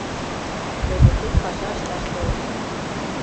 Тый декет паша ышташ толыныт.